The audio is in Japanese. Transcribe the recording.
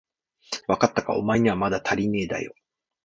わかったか、おまえにはまだたりねえだよ。